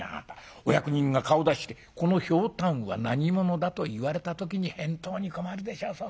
お役人が顔を出してこのひょうたんは何物だと言われた時に返答に困るでしょう。